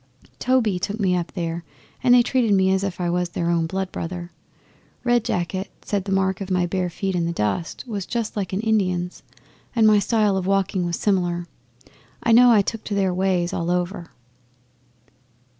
Toby took me up there, and they treated me as if I was their own blood brother. Red Jacket said the mark of my bare feet in the dust was just like an Indian's and my style of walking was similar. I know I took to their ways all over.